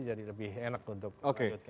jadi lebih enak untuk lanjutkan